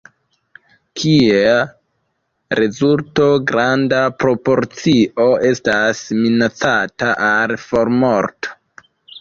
Kiel rezulto, granda proporcio estas minacata al formorto.